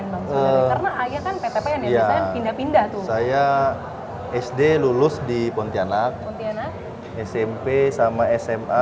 bangsa karena ayah kan pt pen yang pindah pindah tuh saya sd lulus di pontianak smp sama sma